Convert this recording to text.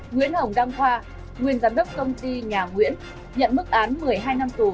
nguyễn hồng đăng khoa nguyên giám đốc công ty nhà nguyễn nhận mức án một mươi hai năm tù